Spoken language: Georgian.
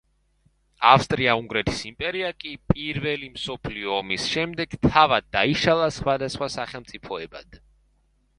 ავსტრია-უნგრეთის იმპერია კი პირველი მსოფლიო ომის შემდეგ თავად დაიშალა სხვადასხვა სახელმწიფოებად.